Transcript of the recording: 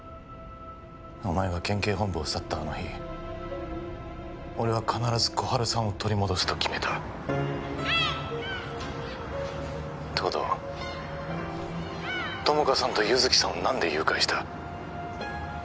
お前が県警本部を去ったあの日俺は必ず心春さんを取り戻すと決めた☎東堂☎友果さんと優月さんを何で誘拐した？